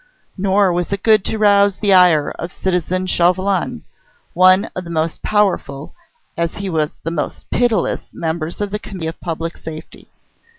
Nor was it good to rouse the ire of citizen Chauvelin, one of the most powerful, as he was the most pitiless members of the Committee of Public Safety.